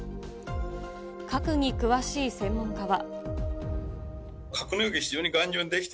核に詳しい専門家は。